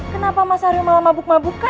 kenapa mas aryo malah mabuk mabuk